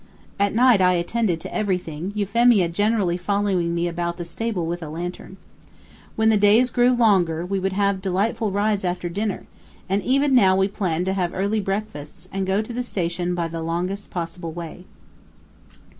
At night I attended to everything, Euphemia generally following me about the stable with a lantern. When the days grew longer we would have delightful rides after dinner, and even now we planned to have early breakfasts, and go to the station by the longest possible way.